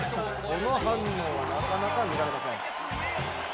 この反応、なかなか見られません。